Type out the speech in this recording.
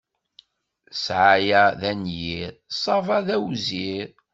Ssɛaya d anyir, ṣṣaba d awzir.